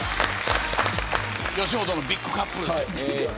吉本のビッグカップルです。